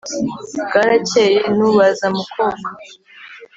Bwarakeye nu, baza mu Koka,